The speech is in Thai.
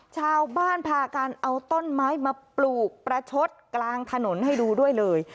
ชาวบ้านพากันเอาต้นไม้มาปลูกประชดกลางถนนให้ดูด้วยเลย